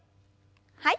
はい。